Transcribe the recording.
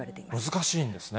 難しいんですね。